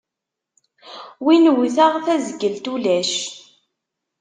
Win wwteɣ, tazgelt ulac.